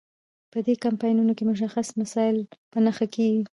په دې کمپاینونو کې مشخص مسایل په نښه کیږي.